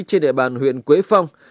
trên đệ bàn huyện quế phong